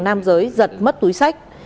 nam giới giật mất túi sách